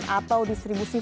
atau distribusi fokus